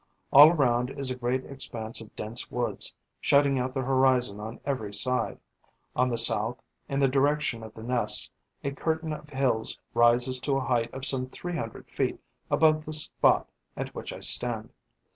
All around is a great expanse of dense woods, shutting out the horizon on every side; on the south, in the direction of the nests, a curtain of hills rises to a height of some three hundred feet above the spot at which I stand.